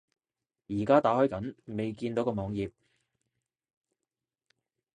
而家打開緊，未睇到個網頁￼